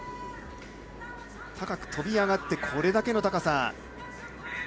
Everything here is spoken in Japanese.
高くとび上がってこれだけの高さ。